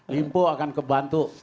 limpo akan kebantu